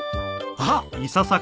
あっ！